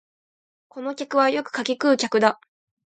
この客はよく柿食う客だ